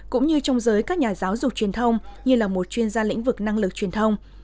cũng như trong giới các nhà giáo dục truyền thông như là một chuyên gia lĩnh vực năng lực truyền thông